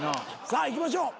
さあいきましょう。